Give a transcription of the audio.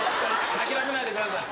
諦めないでください。